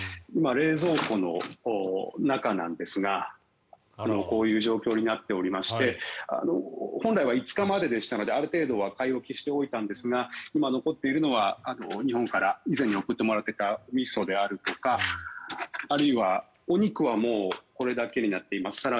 今、冷蔵庫の中なんですがこういう状況になっておりまして本来は５日まででしたのである程度は買い置きしていたんですが今残っているのは日本から以前に送ってもらっていたみそであるとかあるいは、お肉はもうこれだけになっています。